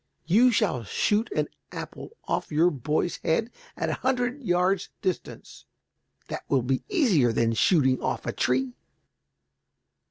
You shall shoot an apple off your boy's head at a hundred yards' distance. That will be easier than shooting off a tree."